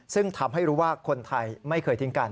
ซึ่งทำให้รู้ว่าคนไทยไม่เคยทิ้งกัน